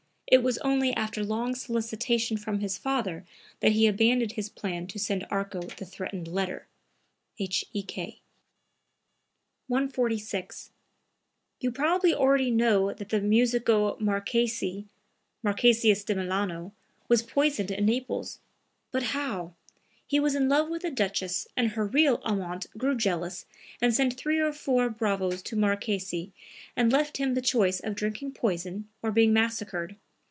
It was only after long solicitation from his father that he abandoned his plan to send Arco the threatened letter. H.E.K.]) 146. "You perhaps already know that the musico Marquesi Marquesius di Milano was poisoned in Naples; but how! He was in love with a duchess and her real amant grew jealous and sent three or four bravos to Marquesi and left him the choice of drinking poison or being massacred.